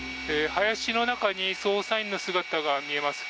林の中に捜査員の姿が見えます。